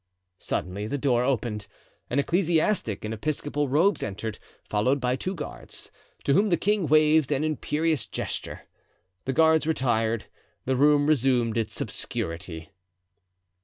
Suddenly the door opened, an ecclesiastic in episcopal robes entered, followed by two guards, to whom the king waved an imperious gesture. The guards retired; the room resumed its obscurity.